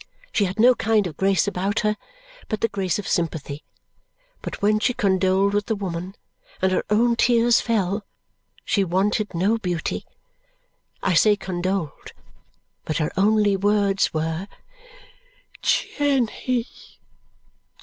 She had no kind of grace about her, but the grace of sympathy; but when she condoled with the woman, and her own tears fell, she wanted no beauty. I say condoled, but her only words were "Jenny!